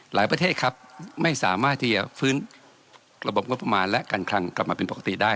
ประเทศครับไม่สามารถที่จะฟื้นระบบงบประมาณและการคลังกลับมาเป็นปกติได้